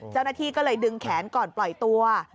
เจ้าหน้าที่ก็เลยดึงแขนก่อนปล่อยตัว